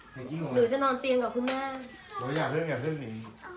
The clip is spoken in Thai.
หรือจะนอนเตียงกับคุณมา